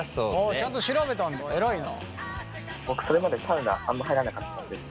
あちゃんと調べたんだ偉いな。